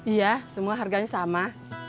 iya semua harganya sama